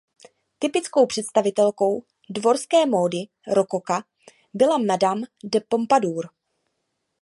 Typickou představitelkou dvorské módy rokoka byla madame de Pompadour.